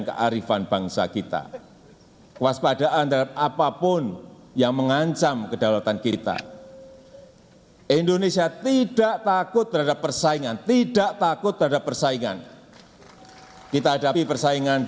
kami berdoa dan membuat undang undang